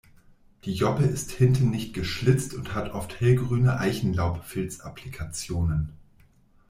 Die Joppe ist hinten nicht geschlitzt und hat oft hellgrüne Eichenlaub-Filzapplikationen.